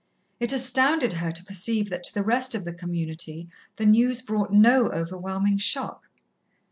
It astounded her to perceive that to the rest of the community the news brought no overwhelming shock.